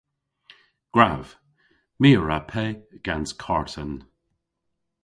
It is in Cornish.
Gwrav. My a wra pe gans karten.